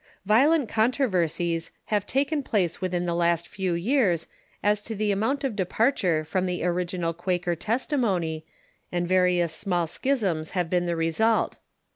Violent controversies have taken place within the last few years as to the amount of departure from the original Quaker testimony, and various small schisms have been the Recent vesult.